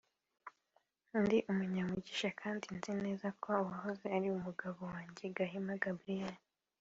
ndi umunyamugisha kandi nzi neza ko uwahoze ari umugabo wanjye Gahima Gabriel